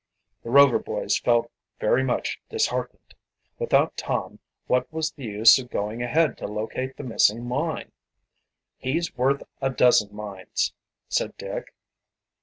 The Rover boys felt very much disheartened. Without Tom what was the use of going ahead to locate the missing mine? "He's worth a dozen mines," said Dick.